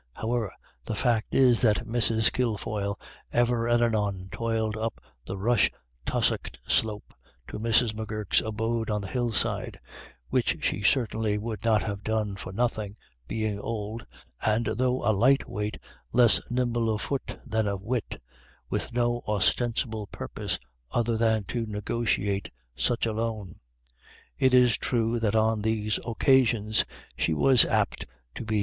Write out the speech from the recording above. However, the fact is that Mrs. Kil foyle ever and anon toiled up the rush tussocked slope to Mrs. M'Gurk's abode on the hillside — which she certainly would not have done for nothing, being old, and, though a light weight, less nimble of foot than of wit — with no ostensible pur pose other than to negotiate such a loan. It is true that on these occasions she was apt to be Ik